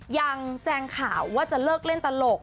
แจงข่าวว่าจะเลิกเล่นตลก